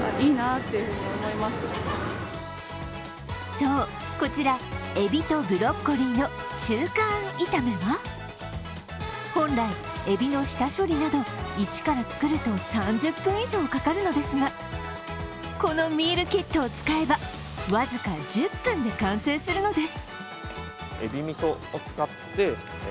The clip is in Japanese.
そう、こちらえびとブロッコリーの中華あん炒めは本来、えびの下処理など一から作ると３０分以上かかるのですがこのミールキットを使えば僅か１０分で完成するのです。